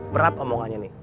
berat omongannya nih